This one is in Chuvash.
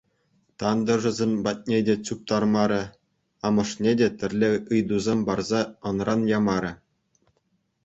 Тантӑшӗсем патне те чуптармарӗ, амӑшне те тӗрлӗ ыйтусем парса ӑнран ямарӗ.